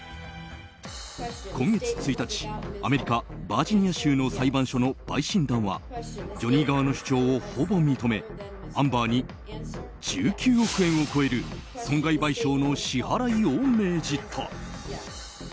今月１日アメリカ・バージニア州の裁判所の陪審団はジョニー側の主張をほぼ認めアンバーに１９億円を超える損害賠償の支払いを命じた。